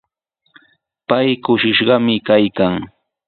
Pay kushishqami kaykan.